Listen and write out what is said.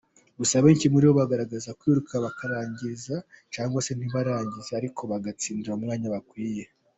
Gusa benshi muri bo bagerageza kwiruka bakarangiza cyangwa se ntibarangize ariko bagatsindira umwanya bakwiye.